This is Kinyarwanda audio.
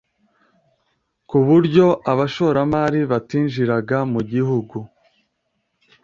ku buryo abashoramari batinjiraga mu gihugu.